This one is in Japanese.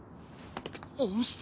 温室？